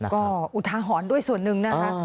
ก็อุทาหอนด้วยส่วนนึงนะครับ